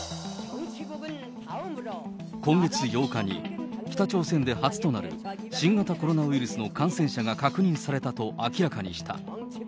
今月８日に、北朝鮮で初となる新型コロナウイルスの感染者が確認されたと明らかにした。